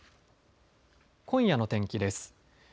今夜の天気です。